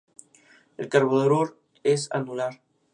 El carburador es anular.